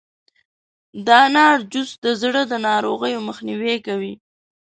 د انار جوس د زړه د ناروغیو مخنیوی کوي.